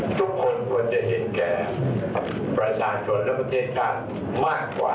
ทุกคนควรจะเห็นแก่ประชาชนและประเทศชาติมากกว่า